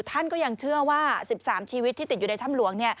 ท่านก็ยังเชื่อว่า๑๓ชีวิตที่ติดอยู่ในถ้ำหลวง